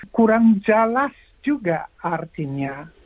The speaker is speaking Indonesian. kurang jelas juga artinya